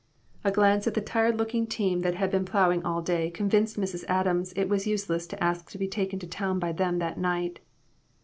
A glance at the tired look ing team that had been plowing all day, convinced IMPROMPTU VISITS. IOQ Mrs. Adams it was useless to ask to be taken to town by them that night.